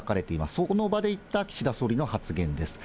そこの場で言った岸田総理の発言です。